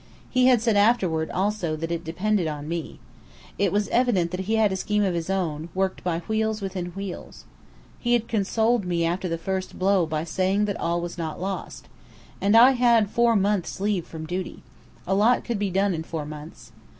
He had said afterward, also, that it depended on me. It was evident that he had a scheme of his own, worked by wheels within wheels. He had consoled me after the first blow by saying that all was not lost. And I had four months' leave from duty. A lot could be done in four months.